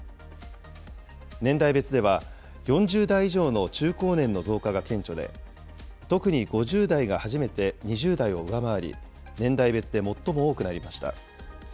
年代別では、４０代以上の中高年の増加が顕著で、特に５０代が初めて２０代を上回り、年代別で最も多くなりました。